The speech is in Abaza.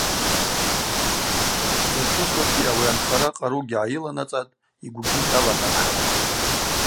Дзачӏвызлакӏгьи ауи анхара къаругьи гӏайыланацӏатӏ йгвгьи йаланархӏатӏ.